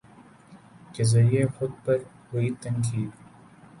کے ذریعے خود پر ہوئی تنقید